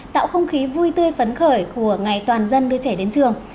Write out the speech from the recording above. tạo không khí vui tươi phấn khởi của ngày toàn dân đưa trẻ đến trường